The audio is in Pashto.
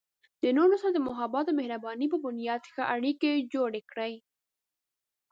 د نورو سره د محبت او مهربانۍ په بنیاد ښه اړیکې جوړې کړئ.